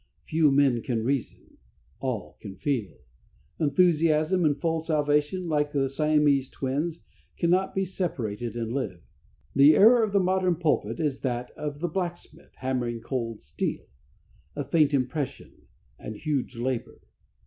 Few men can reason; all can feel. Enthusiasm and full salvation, like the Siamese twins, cannot be separated and live. The error of the modern pulpit is that of the blacksmith hammering cold steel a faint impression and huge labor.